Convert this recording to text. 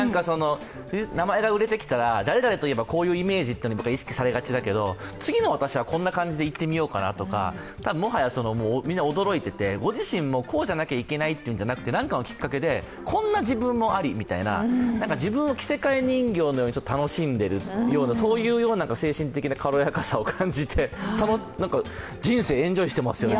名前が売れてきたら誰々と言えばこういうイメージと意識されがちだけど、次の私はこんな感じでいってみようかなとか多分、もはやみんな驚いててご自身もこうじゃなきゃいけないんじゃなくて、何かのきっかけでこんな自分もありみたいな、自分を着せ替え人形のように楽しんでるような精神的な軽やかさを感じて人生、エンジョイしてますよね。